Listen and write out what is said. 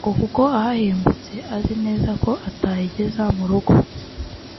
ngo kuko ahahingutse azi neza ko atayigeza mu rugo